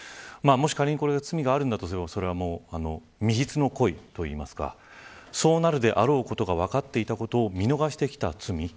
仮に罪があるんだとすれば密室の故意といいますかそうなるであろうことが分かっていたことを見逃してきた。